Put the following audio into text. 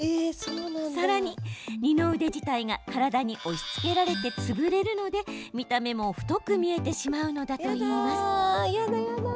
さらに二の腕自体が体に押しつけられて潰れるので見た目も太く見えてしまうのだといいます。